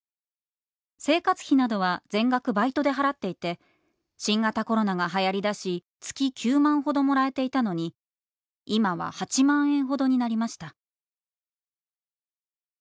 生活費などは全額バイトで払っていて新型コロナが流行りだし月９万ほどもらえていたのに今は８万円ほどになりました」。